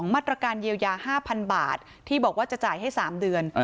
มาตรการเยียวยา๕๐๐๐บาทที่บอกว่าจะจ่ายให้๓เดือน